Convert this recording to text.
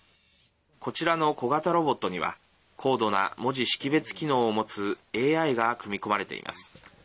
こちらの小型ロボットには高度な文字識別機能を持つＡＩが組み込まれています。